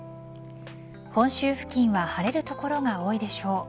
本州付近は晴れる所が多いでしょう。